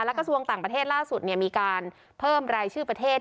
และกระทรวงต่างประเทศล่าสุดมีการเพิ่มรายชื่อประเทศ